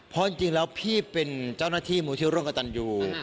เพราะจริงแล้วพี่เป็นเจ้าหน้าที่มูลที่ร่วมกับตันยู